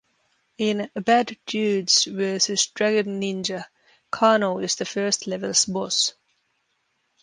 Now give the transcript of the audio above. In "Bad Dudes Versus DragonNinja", Karnov is the first level's boss.